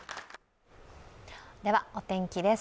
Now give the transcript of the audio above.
ではお天気です。